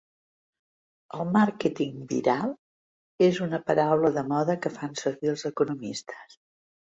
El "màrqueting viral" és una paraula de moda que fan servir els economistes.